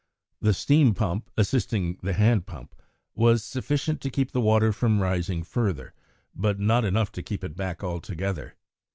The steam pump, assisting the hand pump, was sufficient to keep the water from rising further, but not enough to keep it back altogether.